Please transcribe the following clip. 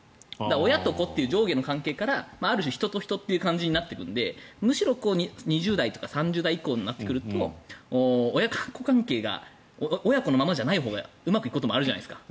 親と子という上下の関係からある種、人と人という感じになっていくのでむしろ２０代とか３０代以降になってくると親子関係が親子のままじゃないほうがいいことがあるじゃないですか。